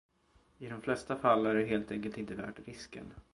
I de flesta fall är det helt enkelt inte värt risken.